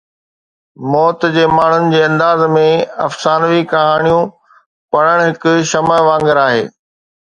موت جي ماڻهن جي انداز ۾، افسانوي ڪهاڻيون پڙهڻ هڪ شمع وانگر آهي